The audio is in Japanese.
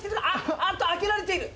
あーっと開けられている。